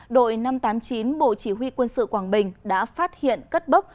đội năm trăm tám mươi chín bộ chỉ huy quân sự quảng bình đã phát hiện cất bốc